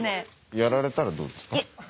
やられたらどうですか？